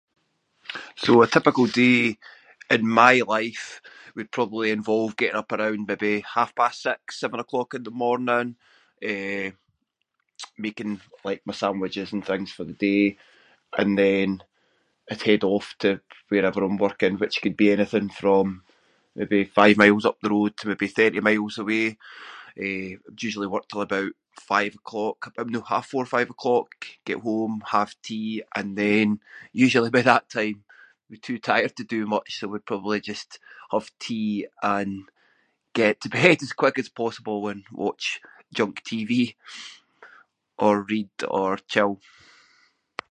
So a typical day in my life would probably involve getting up around maybe half past six, seven o' clock in the morning, eh, making like my sandwiches and things for the day, and then I’d head off to wherever I’m working which could be anything from maybe five miles up the road to maybe thirty miles away. Eh, I’d usually work till about five o’ clock- no, half four, five o’ clock, get home, have tea and then usually by that time I’d be too tired to do much so I would probably just have tea and get to bed as quick as possible and watch junk TV or read or chill.